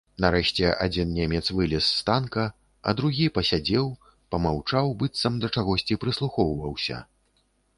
Нарэшце адзін немец вылез з танка, а другі пасядзеў, памаўчаў, быццам да чагосьці прыслухоўваўся.